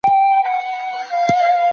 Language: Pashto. ميرمن به د خاوند امرمنونکې وي.